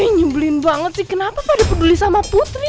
nyebelin banget sih kenapa pada peduli sama putri